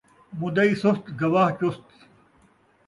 مدعی سست ، گواہ چست